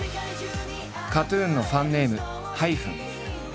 ＫＡＴ−ＴＵＮのファンネーム「ｈｙｐｈｅｎ」。